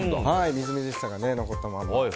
みずみずしさが残ったまま。